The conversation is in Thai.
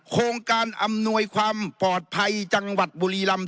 โครงการอำนวยความปลอดภัยจังหวัดบุรีรำ